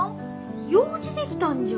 用事できたんじゃ。